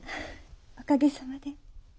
おかげさまで。